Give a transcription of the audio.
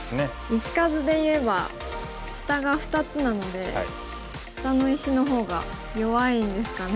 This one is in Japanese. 石数で言えば下が２つなので下の石の方が弱いんですかね。